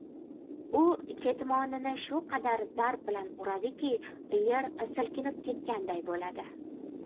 U ketmonini shu qadar zarb bilan uradiki, yer silkinib ketganday bo‘ladi.